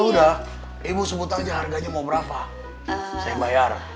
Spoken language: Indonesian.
udah ibu sebut aja harganya mau berapa saya bayar